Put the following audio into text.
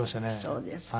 そうですか。